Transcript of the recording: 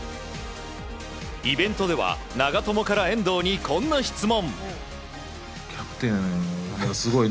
イベントでは長友から遠藤にこんな質問。